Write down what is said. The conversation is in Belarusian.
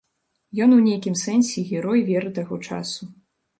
Ён у нейкім сэнсе герой веры таго часу.